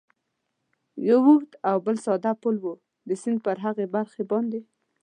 یو اوږد او ساده پل و، د سیند پر هغې برخې باندې.